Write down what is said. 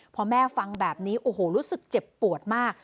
พอแม่ฟังแบบนี้โอ้โหรู้สึกเจ็บปวดมาก